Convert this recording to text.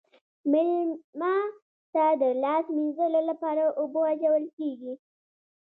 میلمه ته د لاس مینځلو لپاره اوبه اچول کیږي.